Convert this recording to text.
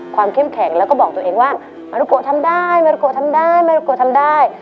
เข้มแข็งแล้วก็บอกตัวเองว่ามารุโกทำได้มารุโกทำได้มารุโกทำได้